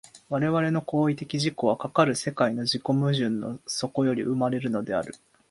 我々の行為的自己は、かかる世界の自己矛盾の底より生まれるのである。